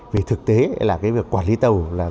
vì thực tế là cái việc quản lý tàu là